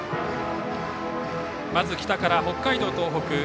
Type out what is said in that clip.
まず、北から北海道・東北。